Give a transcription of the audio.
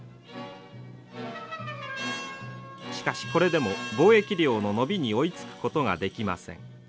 しかしこれでも貿易量の伸びに追いつくことができません。